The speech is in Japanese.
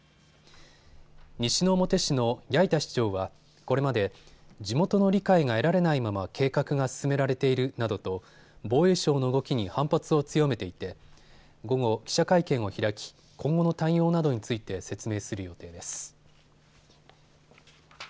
西之表市の八板市長はこれまで地元の理解が得られないまま計画が進められているなどと防衛省の動きに反発を強めていて午後、記者会見を開き今後の対応などについて説明する予定です。